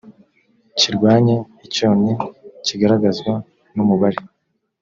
kirwanye icyonnyi kigaragazwa n umubare